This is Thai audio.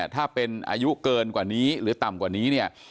ถ้าเป็นอายุเกินกว่านี้หรือต่ำกว่านี้เนี่ย